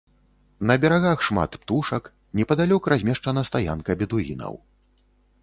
На берагах шмат птушак, непадалёк размешчана стаянка бедуінаў.